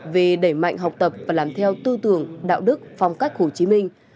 về đẩy mạnh học tập và làm theo tư tưởng đạo đức phong cách hồ chí minh